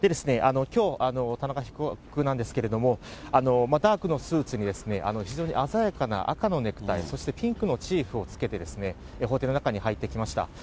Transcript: きょう、田中被告なんですけれども、ダークのスーツに、非常に鮮やかな赤のネクタイ、そしてピンクのチーフを着けて、法廷の中に入ってきました。